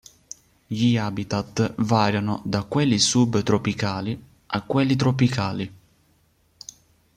Gli habitat variano da quelli subtropicali a quelli tropicali.